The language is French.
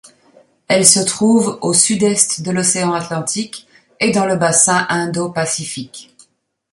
Elle se trouve au sud-est de l’océan Atlantique et dans le bassin Indo-Pacifique.